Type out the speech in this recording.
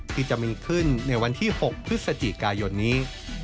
ที่จะมีขึ้นในวันที่๖พฤศจิกายนนี้